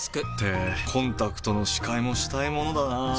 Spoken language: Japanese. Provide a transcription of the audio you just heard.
ってコンタクトの視界もしたいものだなぁ。